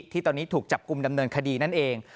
ที่ตอนนี้ถูกจับกลุ่มดำเนินคดีนั่นเอง